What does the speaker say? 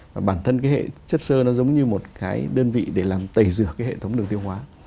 và bản thân cái chất sơ nó giống như một cái đơn vị để làm tẩy rửa cái hệ thống đường tiêu hóa